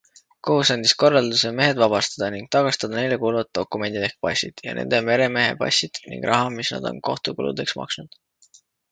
Kohus andis korralduse mehed vabastada ning tagastada neile kuuluvad dokumendid ehk passid ja nende meremehe passid ning raha, mis nad on kohtukuludeks maksnud.